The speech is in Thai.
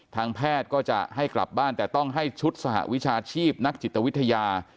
ทางแพทย์ก็จะให้กลับบ้านแต่ต้องให้ชุดสหวิชาชีพนักจิตวิทยา